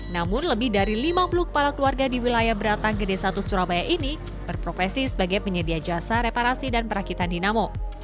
namun lebih dari lima puluh kepala keluarga di wilayah beratang gede satu surabaya ini berprofesi sebagai penyedia jasa reparasi dan perakitan dinamo